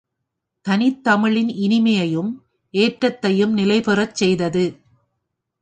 தனித்தமிழின் இனிமை யையும் ஏற்றத்தையும் நிலைபெறச் செய்தது.